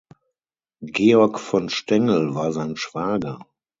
Georg von Stengel war sein Schwager.